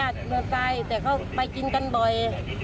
แต่เขาไปกินกันบ่อย